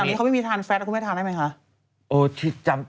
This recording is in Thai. อันนี้เขาไม่มีทานแฟทนะคุณแม่ทานได้ไหมคะ